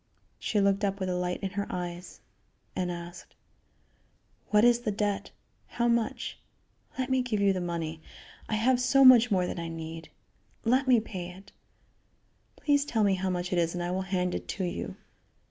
She looked up with a light in her eyes and asked: "What is the debt? How much? Let me give you the money. I have so much more than I need. Let me pay it. Please tell me how much it is and I will hand it to you.